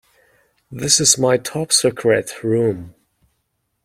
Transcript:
This is my top secret room.